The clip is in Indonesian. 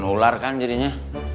menular kan jadinya